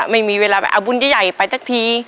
ไม่มีเวลาไปเอาบุญใหญ่ไปสักที